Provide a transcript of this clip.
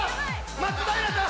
◆松平さん